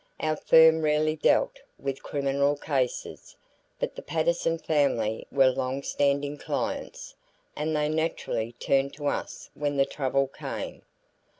Our firm rarely dealt with criminal cases, but the Patterson family were long standing clients, and they naturally turned to us when the trouble came.